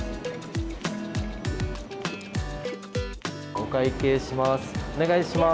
お会計します。